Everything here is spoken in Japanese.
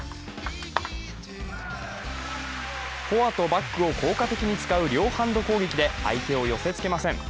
フォアとバックを効果的に使う両ハンド攻撃で相手を寄せつけません。